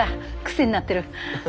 癖になってる。